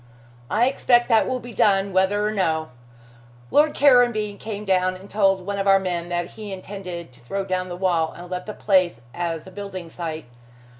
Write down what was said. "I expect that will be done, whether or no. Lord Caranby came down and told one of our men that he intended to throw down the wall and let the place as a building site.